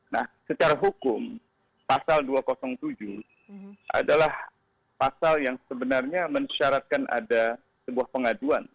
nah secara hukum pasal dua ratus tujuh adalah pasal yang sebenarnya mensyaratkan ada sebuah pengaduan